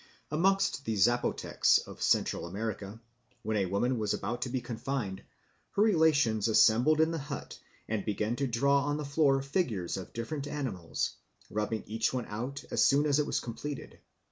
Amongst the Zapotecs of Central America, when a woman was about to be confined, her relations assembled in the hut, and began to draw on the floor figures of different animals, rubbing each one out as soon as it was completed.